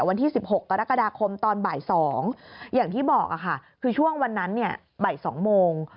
อย่างที่บอกค่ะคือช่วงวันนั้นใบ๒โมง